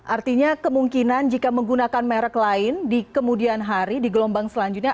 artinya kemungkinan jika menggunakan merek lain di kemudian hari di gelombang selanjutnya